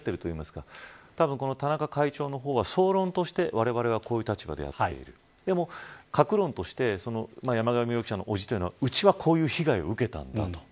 たぶんこの田中会長の方は総論としてわれわれはこういう立場でやっているでも各論として山上容疑者の伯父というのはうちはこういう被害を受けたんだと。